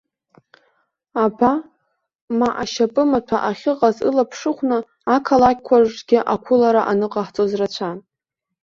Аба ма ашьапымаҭәа ахьыҟаз ылаԥшыхәны, ақалақьқәа рҿгьы ақәылара аныҟаҳҵоз рацәан.